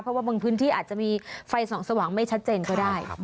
เพราะว่าบางพื้นที่อาจจะมีไฟส่องสว่างไม่ชัดเจนก็ได้